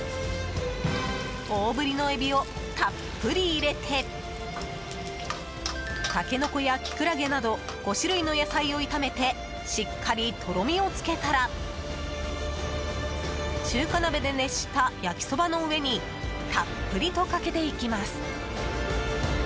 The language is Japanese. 大振りのエビをたっぷり入れてタケノコやキクラゲなど５種類の野菜を炒めてしっかりとろみをつけたら中華鍋で熱した焼きそばの上にたっぷりとかけていきます。